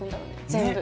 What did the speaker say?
全部。